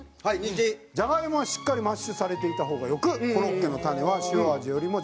じゃがいもはしっかりマッシュされていた方がよくコロッケの種は塩味よりもじゃがいも本来の甘みが。